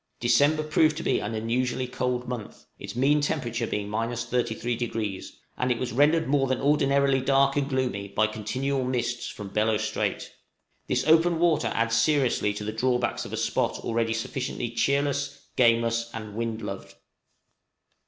December proved to be an unusually cold month, its mean temperature being 33°; and it was rendered more than ordinarily dark and gloomy by continual mists from Bellot Strait. This open water adds seriously to the drawbacks of a spot already sufficiently cheerless, gameless, and "wind loved."